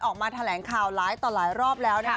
ออกมาแถลงข่าวหลายต่อหลายรอบแล้วนะคะ